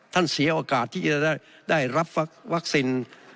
ท่านเสียอกาสที่ได้รับวัคซิน